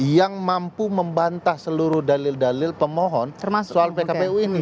yang mampu membantah seluruh dalil dalil pemohon soal pkpu ini